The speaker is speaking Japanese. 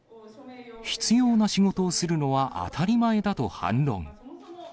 必要な仕事をするのは当たり前だと反論。